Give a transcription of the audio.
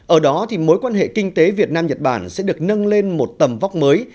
ở đó thì mối quan hệ kinh tế việt nam nhật bản sẽ được nâng lên một tầm vóc mới